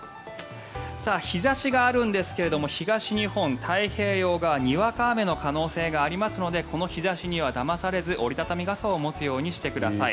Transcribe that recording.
日差しがあるんですが東日本太平洋側にわか雨の可能性がありますのでこの日差しにはだまされず折り畳み傘を持つようにしてください。